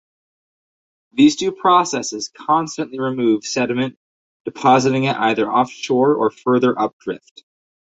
These two processes constantly remove sediment depositing it either offshore or further up drift.